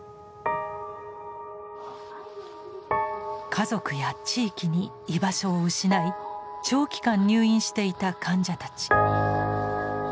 家族や地域に居場所を失い長期間入院していた患者たち。